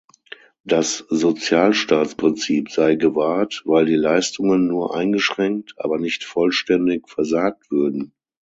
Das Sozialstaatsprinzip sei gewahrt, weil die Leistungen nur eingeschränkt, aber nicht vollständig versagt würden.